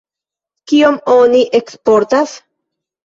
Kion oni eksportas?